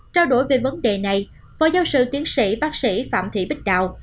trao đổi về vấn đề này phó giáo sư tiến sĩ bác sĩ phạm thị bích đào